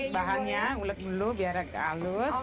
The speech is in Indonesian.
iya bahannya ngulut dulu biar alus